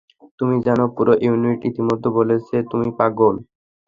তুমি জানো, পুরো ইউনিট ইতিমধ্যে বলছে তুমি পাগল।